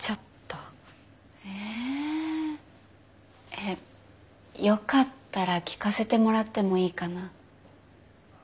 えよかったら聞かせてもらってもいいかな？